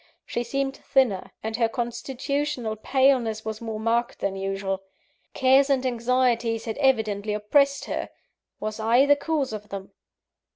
She seemed thinner, and her constitutional paleness was more marked than usual. Cares and anxieties had evidently oppressed her was I the cause of them?